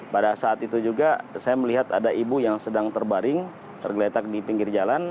pada saat itu juga saya melihat ada ibu yang sedang terbaring tergeletak di pinggir jalan